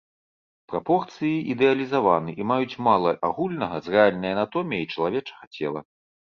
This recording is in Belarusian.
Прапорцыі ідэалізаваны і маюць мала агульнага з рэальнай анатоміяй чалавечага цела.